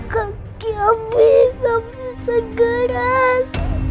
kaki abi aku sakit garam